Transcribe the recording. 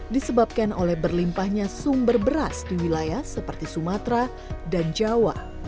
disebabkan oleh berlimpahnya sumber beras di wilayah seperti sumatera dan jawa